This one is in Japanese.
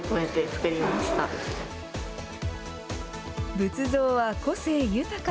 仏像は個性豊か。